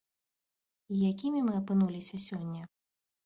І якімі мы апынуліся сёння?